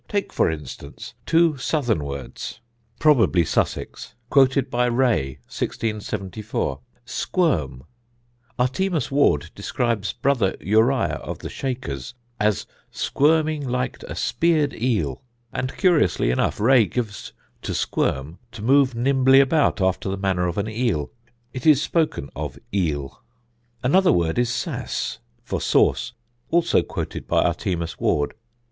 Take, for instance, two 'Southern words,' (probably Sussex) quoted by Ray (1674). Squirm: Artemus Ward describes 'Brother Uriah,' of 'the Shakers,' as 'squirming liked a speared eel,' and, curiously enough, Ray gives 'To squirm, to move nimbly about after the manner of an eel. It is spoken of eel.' Another word is 'sass' (for sauce), also quoted by Artemus Ward....